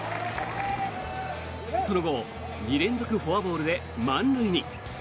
その後、２連続フォアボールで満塁に。